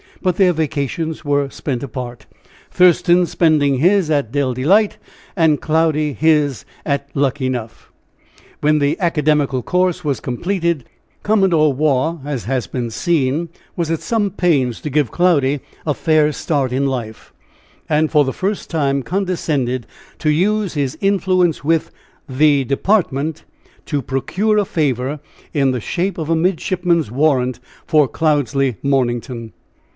But their vacations were spent apart, Thurston spending his at Dell Delight, and Cloudy his at Luckenough. When the academical course was completed, Commodore Waugh, as has been seen, was at some pains to give Cloudy a fair start in life, and for the first time condescended to use his influence with "the Department" to procure a favor in the shape of a midshipman's warrant for Cloudesley Mornington.